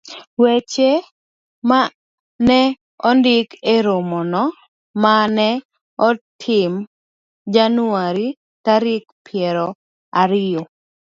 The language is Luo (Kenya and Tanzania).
Weche ma ne ondik e romono ma ne otim Januar tarik piero ariyo,